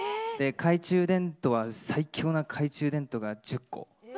懐中電灯は最強な懐中電灯が１０個。